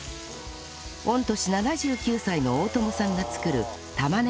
御年７９歳の大友さんが作る